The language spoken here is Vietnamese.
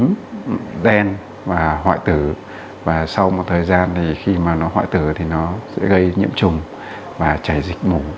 bệnh nhân đã bị hoại tử và đen và hoại tử và sau một thời gian khi nó hoại tử thì nó sẽ gây nhiễm trùng và chảy dịch mụn